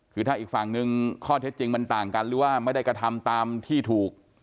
คือถ้าอีกฝั่งนึงข้อเท็จจริงมันต่างกันหรือว่าไม่ได้กระทำตามที่ถูก